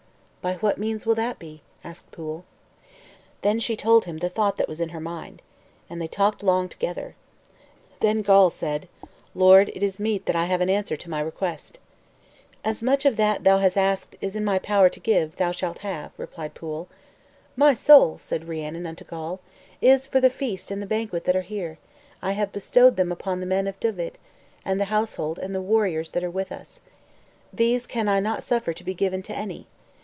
"By what means will that be?" asked Pwyll. Then she told him the thought that was in her mind. And they talked long together. Then Gawl said, "Lord, it is meet that I have an answer to my request." "As much of that thou hast asked as it is in my power to give, thou shalt have," replied Pwyll. "My soul," said Rhiannon unto Gawl, "as for the feast and the banquet that are here, I have bestowed them upon the men of Dyved, and the household and the warriors that are with us. These can I not suffer to be given to any.